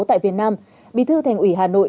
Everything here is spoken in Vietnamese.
tại việt nam bí thư thành ủy hà nội